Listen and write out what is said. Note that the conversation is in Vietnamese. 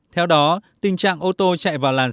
theo đó tình trạng ô tô chạy vào làn xe máy đã được giải quyết